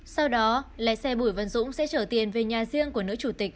sau đó lái xe bùi văn dũng sẽ trở tiền về nhà riêng của nữ chủ tịch